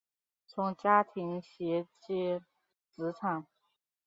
从家庭衔接职场